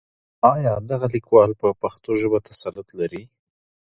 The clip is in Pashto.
آيا دغه ليکوال په پښتو ژبه تسلط لري؟